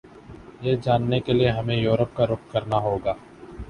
یہ جاننے کیلئے ہمیں یورپ کا رخ کرنا ہوگا